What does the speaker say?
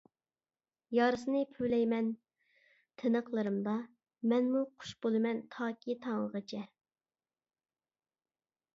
يارىسىنى پۈۋلەيمەن تىنىقلىرىمدا، مەنمۇ قۇش بولىمەن تاكى تاڭغىچە.